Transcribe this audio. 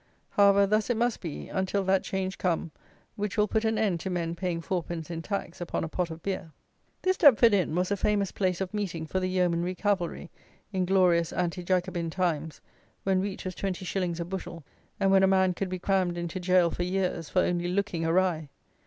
However, thus it must be, until that change come which will put an end to men paying fourpence in tax upon a pot of beer. This Deptford Inn was a famous place of meeting for the Yeomanry Cavalry, in glorious anti jacobin times, when wheat was twenty shillings a bushel, and when a man could be crammed into gaol for years, for only looking awry.